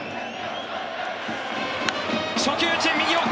初球打ち、右方向